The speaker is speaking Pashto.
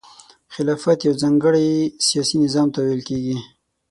خلافت یو ځانګړي سیاسي نظام ته ویل کیږي.